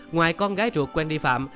ngoài con gái ruột quen đi phạm